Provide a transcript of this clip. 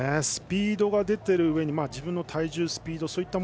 スピードが出てるうえに自分の体重、スピード